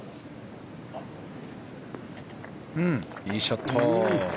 いいショット！